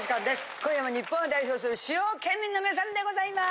今夜も日本を代表する主要県民の皆さんでございます！